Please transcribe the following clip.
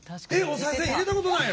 おさい銭入れたことないの？